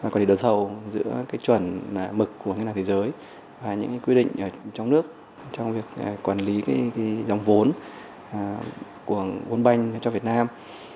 quản lý đấu thầu giữa cái chuẩn mực của ngân hàng thế giới và những cái quy định ở trong nước trong việc quản lý cái dòng vốn của vốn banh cho việt nam